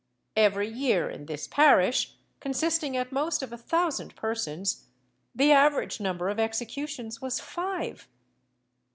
Every year in this parish, consisting at most of a thousand persons, the average number of executions was five.